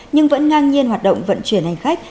nhưng vẫn ngang nhiên hoạt động vận chuyển hành khách